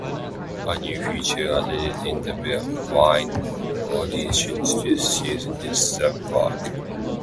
A new feature added in the blind auditions this season is the Block.